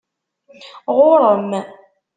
Ɣuṛ-m.